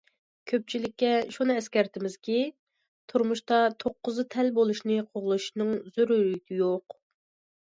كۆپچىلىككە شۇنى ئەسكەرتىمىزكى، تۇرمۇشتا توققۇزى تەل بولۇشنى قوغلىشىشنىڭ زۆرۈرىيىتى يوق.